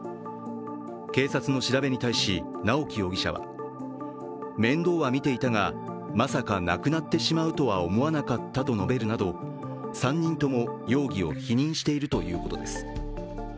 警察の調べに対し直樹容疑者は面倒は見ていたがまさか亡くなってしまうとは思わなかったと述べるなど、３人とも容疑を否認しているということです。